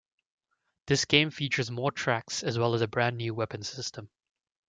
This game features more tracks as well as a brand new weapon system.